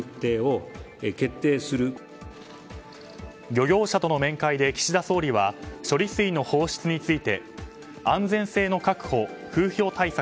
漁業者との面会で岸田総理は処理水の放出について安全性の確保、風評対策